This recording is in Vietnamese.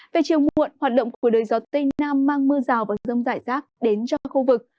về chiều muộn hoạt động của đời gió tây nam mang mưa rào và rông rải rác đến cho khu vực